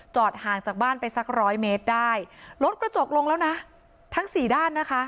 ห่างจากบ้านไปสักร้อยเมตรได้รถกระจกลงแล้วนะทั้งสี่ด้านนะคะ